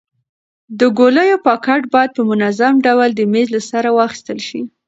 د ګولیو پاکټ باید په منظم ډول د میز له سره واخیستل شي.